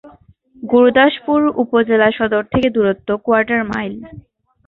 গুরুদাসপুর উপজেলা সদর থেকে দুরত্ব কোয়ার্টার মাইল।